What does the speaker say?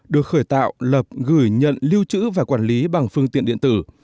được khởi tạo lập gửi nhận lưu trữ và quản lý bằng phương tiện điện tử